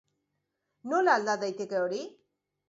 Nola alda daiteke hori?